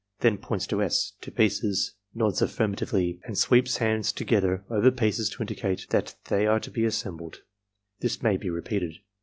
Then points to S., to pieces, nods aflSrmatively, and sweeps hands together over pieces to indicate that they are to be assembled. This may be repeated.